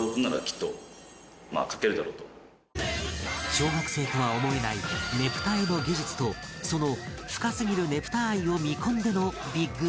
小学生とは思えないねぷた絵の技術とその深すぎるねぷた愛を見込んでのビッグオファー